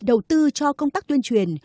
đầu tư cho công tác tuyên truyền